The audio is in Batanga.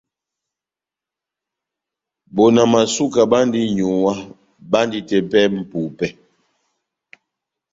Bona Masuka bandi n’nyuwá, bandi tepɛ mʼpupɛ.